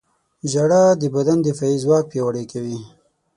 • ژړا د بدن دفاعي ځواک پیاوړی کوي.